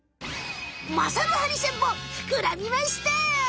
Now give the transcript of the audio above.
まさるハリセンボンふくらみました！